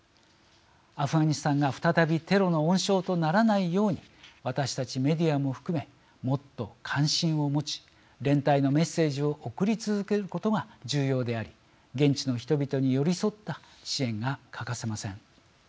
アフガニスタンが再びテロの温床とならないように私たちメディアも含めもっと関心を持ち連帯のメッセージを送り続けることが重要であり現地の人々に寄り添った支援が欠かせません。